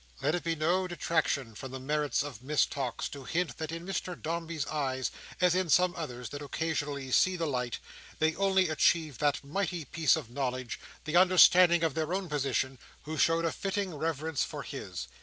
Let it be no detraction from the merits of Miss Tox, to hint that in Mr Dombey's eyes, as in some others that occasionally see the light, they only achieved that mighty piece of knowledge, the understanding of their own position, who showed a fitting reverence for his.